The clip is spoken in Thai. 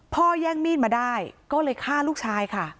แย่งมีดมาได้ก็เลยฆ่าลูกชายค่ะ